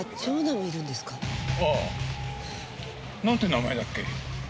なんて名前だっけ？